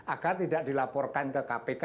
agar tidak dilaporkan ke kpk